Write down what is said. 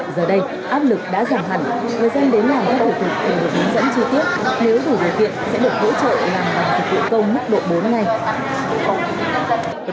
giờ đây áp lực đã giảm hẳn người dân đến làm các hộ chiếu được hướng dẫn chi tiết nếu thủ điều kiện sẽ được hỗ trợ làm bằng dịch vụ công mức độ bốn ngày